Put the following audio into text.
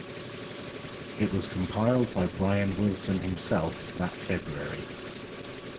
It was compiled by Brian Wilson himself that February.